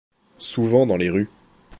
Souvent dans les rues.